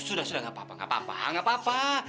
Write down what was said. sudah sudah nggak apa apa